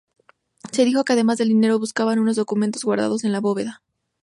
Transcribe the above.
Se dijo que además del dinero, buscaban unos documentos guardados en la bóveda.